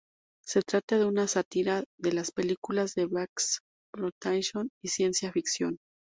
Se trata de una sátira de las películas de "Blaxploitation" y de ciencia ficción.